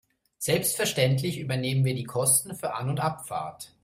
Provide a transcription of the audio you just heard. Selbstverständlich übernehmen wir die Kosten für An- und Abfahrt.